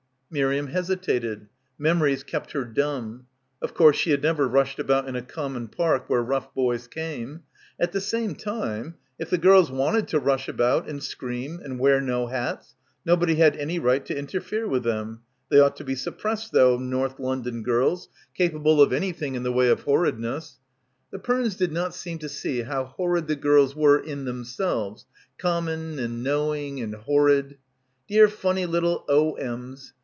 Miriam hesitated. Memories kept her dumb. Of course she had never rushed about in a com mon park where rough boys came. At the same time — if the girls wanted to rush about and scream and wear no hats nobody had any right to inter fere with them .. ._they ought to be suppressed though, North London girls, capable of anything in the way of horridness ... the Pernes did not — 102 — BACKWATER seem to see how horrid the girls were in them selves, common and knowing and horrid. "Dear, funny little O.M.'s"